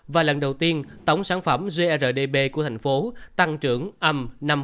và lần đầu tiên tổng sản phẩm grdb của thành phố tăng trưởng âm năm